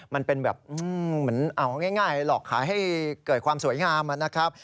มันเป็นแบบเหมือนเอาง่ายหลอกขายให้เกิดความสวยงามนะครับ